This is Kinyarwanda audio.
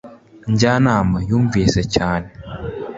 njyanama yumvise cyane